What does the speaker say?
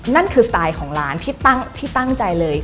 นั่นคือสไตล์ของร้านที่ตั้งใจเลย